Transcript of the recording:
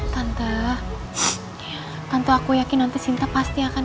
tante tante aku yakin nanti sinta pasti akan